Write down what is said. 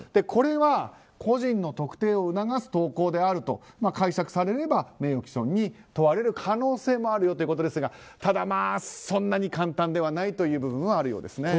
これは個人の特定を促す投稿であると解釈されれば名誉毀損に問われる可能性もあるよということですがただ、そんなに簡単ではない部分もあるようです。